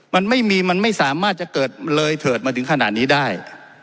มันไม่มีมันไม่สามารถจะเกิดเลยเถิดมาถึงขนาดนี้ได้